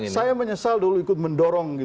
saya menyesal dulu ikut mendorong